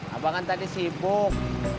abang kan tadi sibuk